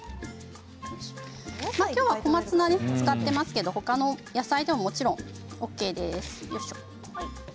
今日は小松菜を使っていますけど他の野菜でももちろんＯＫです。